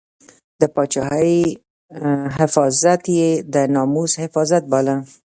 د پاچاهۍ حفاظت یې د ناموس حفاظت باله.